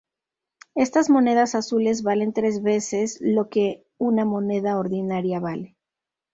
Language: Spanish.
Estas monedas azules valen tres veces lo que una moneda ordinaria vale.